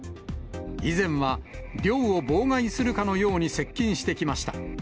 以前は漁を妨害するかのように接近してきました。